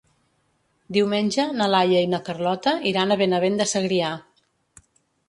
Diumenge na Laia i na Carlota iran a Benavent de Segrià.